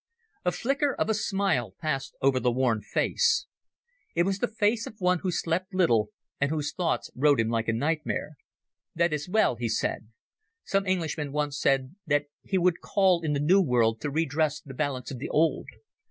A flicker of a smile passed over the worn face. It was the face of one who slept little and whose thoughts rode him like a nightmare. "That is well," he said. "Some Englishman once said that he would call in the New World to redress the balance of the Old.